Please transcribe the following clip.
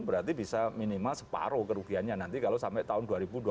berarti bisa minimal separuh kerugiannya nanti kalau sampai tahun dua ribu dua puluh empat